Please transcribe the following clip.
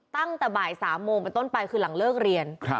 ตั้งแต่บ่าย๓โมงเป็นต้นไปคือหลังเลิกเรียน